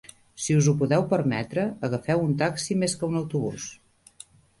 Si us ho podeu permetre, agafeu un taxi més que un autobús